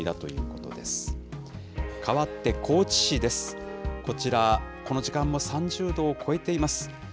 こちら、この時間も３０度を超えています。